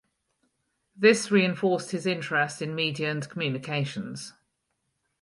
This reinforced his interest in media and communications.